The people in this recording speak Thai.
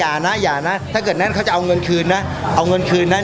อย่านะอย่านะถ้าเกิดนั่นเขาจะเอาเงินคืนนะเอาเงินคืนนั้น